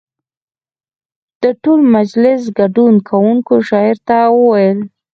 د ټول مجلس ګډون کوونکو شاعر ته وویل.